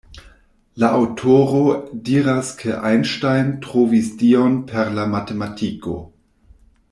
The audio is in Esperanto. La aŭtoro diras ke Einstein trovis Dion per la matematiko.